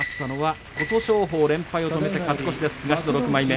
琴勝峰は連敗を止めて勝ち越しました東の６枚目。